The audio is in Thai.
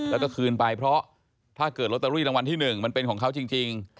แล้วก็คืนไปเพราะถ้าเกิดลอตเตอรี่รางวัลที่๑มันเป็นของเขาจริง